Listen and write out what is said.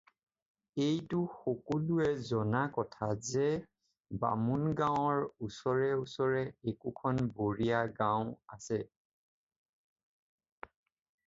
এইটো সকলোৱে জনা কথা যে বামুণ-গাৱঁৰ ওচৰে ওচৰে একোখন বৰীয়া-গাওঁ আছে।